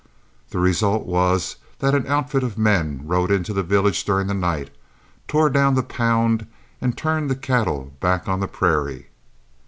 The result was that an outfit of men rode into the village during the night, tore down the pound, and turned the cattle back on the prairie.